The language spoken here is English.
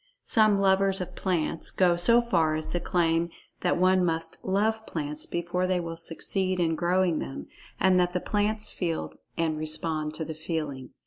Some lovers of plants go so far as to claim that one must "love" plants before they will succeed in growing them, and that the plants feel and respond to the feeling.